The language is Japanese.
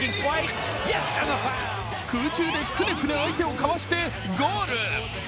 空中でくねくね相手をかわしてゴール。